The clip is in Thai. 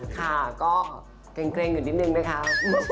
ค่ะก็เกร็งอยู่นิดนึงนะคะ